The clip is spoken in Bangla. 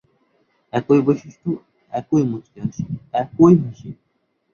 একই বৈশিষ্ট্য, একই মুচকি হাসি, একই হাসি।